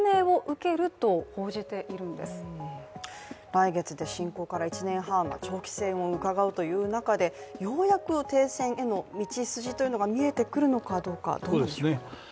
来月で侵攻から１年半、長期戦をうかがう中でようやく停戦への道筋というのが見えてくるのかどうなのか。